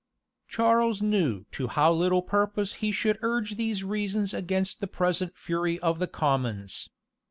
Charles knew to how little purpose he should urge these reasons against the present fury of the commons.